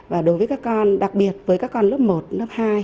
và đối với các con đặc biệt với các con lớp một lớp hai